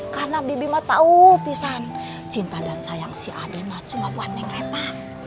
karena bibi ma tahu pisan cinta dan sayang si ade ma cuma buat neng reva